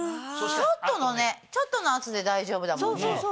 ちょっとのねちょっとの圧で大丈夫だもんね。